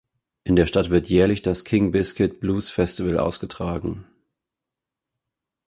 In der Stadt wird jährlich das King Biscuit Blues Festival ausgetragen.